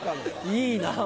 いいなぁ